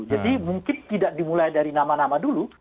jadi mungkin tidak dimulai dari nama nama dulu